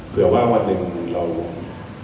เผื่อว่าวันหนึ่งเราลง